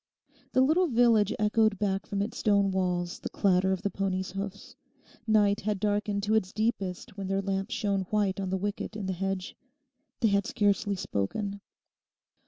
The little village echoed back from its stone walls the clatter of the pony's hoofs. Night had darkened to its deepest when their lamp shone white on the wicket in the hedge. They had scarcely spoken.